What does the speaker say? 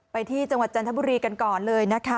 ไปที่จังหวัดจันทบุรีกันก่อนเลยนะคะ